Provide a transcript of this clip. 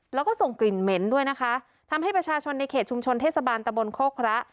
แล้วก็ส่งกลิ่นเหม็นด้วยนะคะทำให้ประชาชนในเขตชุมชนเทศบาลตะบนโคกพระ